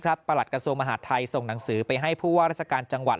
ประหลัดกระทรวงมหาดไทยส่งหนังสือไปให้ผู้ว่าราชการจังหวัด